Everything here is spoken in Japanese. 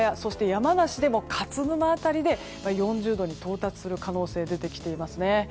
山梨辺りでも勝沼などで４０度に到達する可能性が出てきていますね。